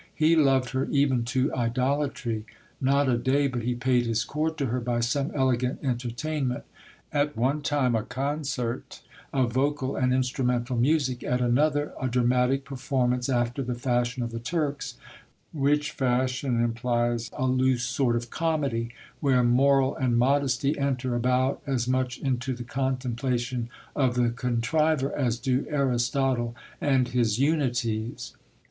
He loved her even to idolatry. Not a day but he paid his court to her by some ejegant entertain ment ; at one time a concert of vocal and instrumental music, at another, a dramatic performance after the fashion of the Turks, which fashion implies a loose sort of comedy, where moral and modesty enter about as much into the contemplation of the contriver, as do Aristotle and his unities.